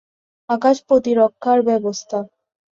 আকাশ প্রতিরক্ষা ব্যবস্থা।